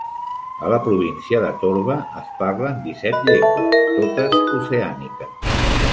A la província de Torba es parlen disset llengües, totes oceàniques.